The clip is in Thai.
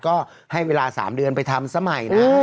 ก็ให้เวลา๓เดือนไปทำสมัยนะ